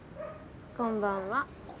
こんばんは。